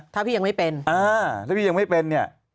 ถ้าพี่ยังไม่เป็น